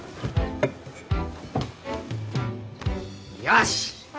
よし！